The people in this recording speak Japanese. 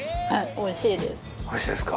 おいしいですか。